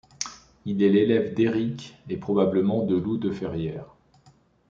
Il est l'élève d'Heiric et probablement de Loup de Ferrières.